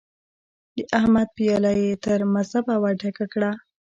د احمد پياله يې تر مذبه ور ډکه کړه.